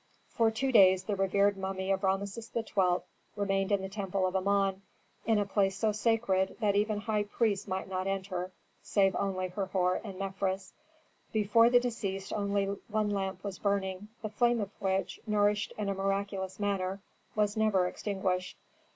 For two days the revered mummy of Rameses XII. remained in the temple of Amon, in a place so sacred that even high priests might not enter, save only Herhor and Mefres. Before the deceased only one lamp was burning, the flame of which, nourished in a miraculous manner, was never extinguished.